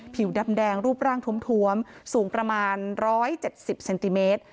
ผิวดำแดงรูปร่างทวมสูงประมาณ๑๗๐เซนติเมตร